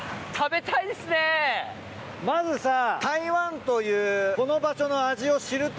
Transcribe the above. まずさぁ。